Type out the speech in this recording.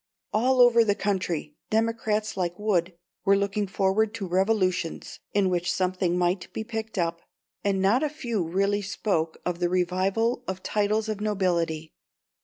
All over the country, Democrats like Wood were looking forward to revolutions in which something might be picked up, and not a few really spoke of the revival of titles of nobility.